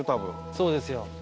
そうですよ。